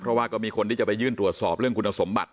เพราะว่าก็มีคนที่จะไปยื่นตรวจสอบเรื่องคุณสมบัติ